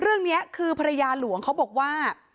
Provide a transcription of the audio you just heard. เรื่องนี้คือภรรยาหลวงเขาบอกว่า